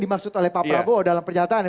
dimaksud oleh pak prabowo dalam pernyataan